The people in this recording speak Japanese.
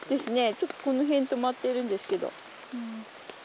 ちょっとこの辺にとまってるんですけど。